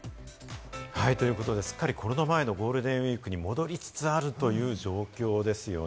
ということで、すっかりコロナ禍前のゴールデンウイークに戻りつつあるという状況ですよね？